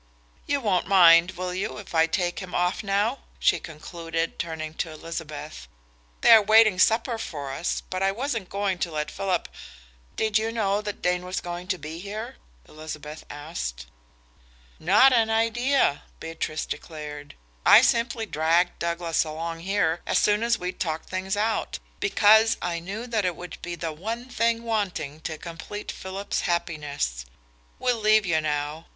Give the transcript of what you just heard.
You won't mind, will you, if I take him off now?" she concluded, turning to Elizabeth. "They are waiting supper for us, but I wasn't going to let Philip " "Did you know that Dane was going to be here?" Elizabeth asked. "Not an idea," Beatrice declared. "I simply dragged Douglas along here, as soon as we'd talked things out, because I knew that it would be the one thing wanting to complete Philip's happiness. We'll leave you now.